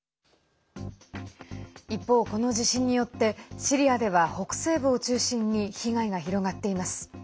一方、この地震によってシリアでは北西部を中心に被害が広がっています。